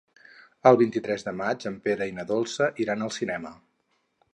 El vint-i-tres de maig en Pere i na Dolça iran al cinema.